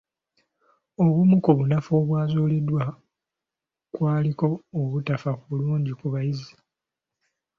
Obumu ku bunafu obwazuulibwa kwaliko obutafa bulungi ku bayizi.